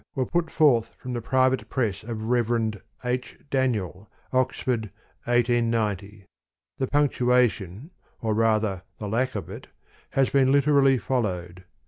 were put forth from the private press of Rev, H. Daniel, Oxford, 1890. The punctuation (or rather the lack of it) has been literally followed.